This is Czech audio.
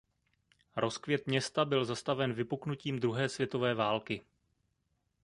Rozkvět města byl zastaven vypuknutím druhé světové války.